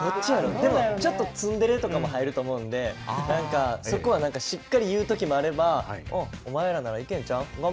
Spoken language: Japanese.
でも、ちょっとツンデレとかも入ると思うんで、なんか、そこはなんか、しっかり言うときもあれば、あっ、お前らならいけんちゃうん？